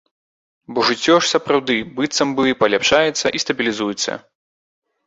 Бо жыццё ж сапраўды быццам бы паляпшаецца і стабілізуецца.